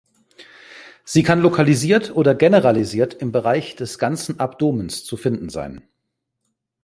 Sie kann lokalisiert oder generalisiert im Bereich des ganzen Abdomens zu finden sein.